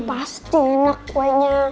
pasti enak kuenya